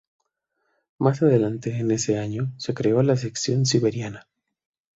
Más adelante en ese año se creó la sección siberiana.